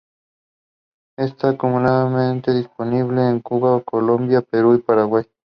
Esta actualmente disponible en Cuba, Colombia, Perú y Paraguay.